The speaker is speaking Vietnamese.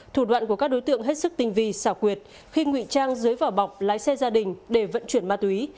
thủ đoạn của các đối tượng hết sức tinh vi xảo quyệt khi ngụy trang dưới vỏ bọc lái xe gia đình để vận chuyển ma túy